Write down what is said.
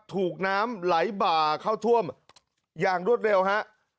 ถูกน้ำไหลบ่าเข้าท่วมอย่างรวดเร็วฮะ